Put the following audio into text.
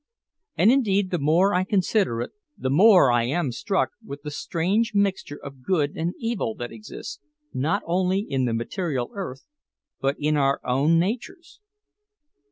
And indeed the more I consider it, the more I am struck with the strange mixture of good and evil that exists, not only in the material earth, but in our own natures.